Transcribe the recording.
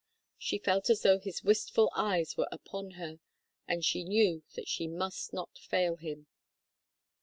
She felt as though his wistful eyes were upon her, and she knew that she must not fail him.